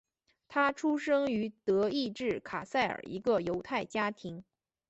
他出生于德意志卡塞尔一个犹太家庭。